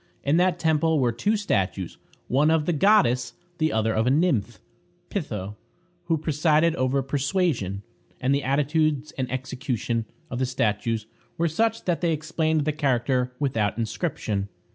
In that temple were two statues: one of the goddess, the other of a nymph, Pitho, who presided over persuasion; and the attitudes and execution of the statues were such that they explained the character without inscription.